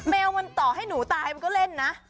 แมวมันต่อให้หนูตายมันก็เล่นนะ